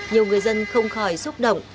nhiều người dân không khỏi xúc động